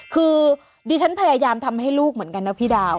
คือดิฉันพยายามทำให้ลูกเหมือนกันนะพี่ดาว